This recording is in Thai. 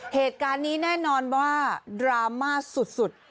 เหตุการณ์นี้แน่นอนว่าดราม่าสุด